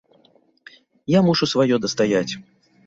Я мушу сваё дастаяць.